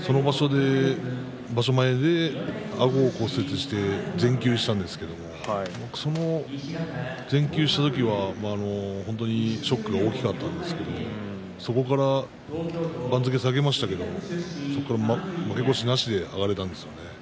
その場所前に、あごを骨折して全休したんですけれども全休した時は本当にショックが大きかったんですけれどそこから番付を下げましたけれどそこから負け越しなしで上がれたんですよね